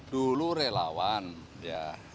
dulu relawan ya